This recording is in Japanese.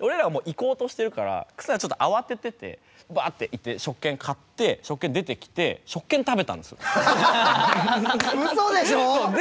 俺らはもう行こうとしてるから忽那がちょっと慌てててばあって行って食券買って食券出てきてうそでしょ！？